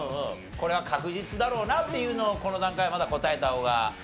これは確実だろうなっていうのをこの段階はまだ答えた方がいいかもね。